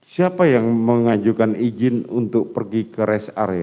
siapa yang mengajukan izin untuk pergi ke rumah sakit